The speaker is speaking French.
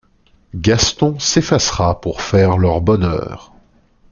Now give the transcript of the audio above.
Gaston s'effacera pour faire leur bonheur.